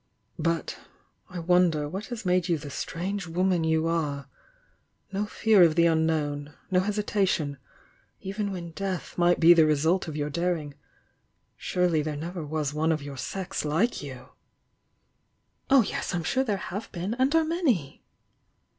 "But— I won der what has made you the strange woman you are? No fear of the unknown! — No hesitation, even when death might be the result of your daring, — surely there never was one of your sex like you!" "Oh, yes, I'm sure there have been, and are many!"